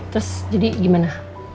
terus jadi gimana